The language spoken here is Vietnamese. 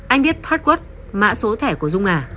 anh biết password mã số thẻ của dung à